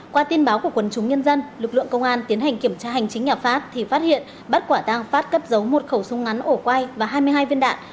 qua tin báo của quần chúng nhân dân lực lượng công an tiến hành kiểm tra hành chính nhà phát thì phát hiện bắt quả tang phát cấp giấu một khẩu súng ngắn ổ quay và hai mươi hai viên đạn